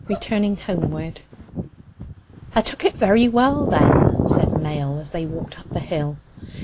RETURNING HOME WARD "'A took it very well, then?" said Mail, as they all walked up the hill.